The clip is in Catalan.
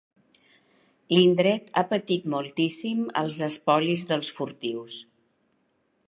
L'indret ha patit moltíssim els espolis dels furtius.